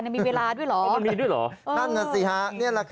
มันมีด้วยหรอ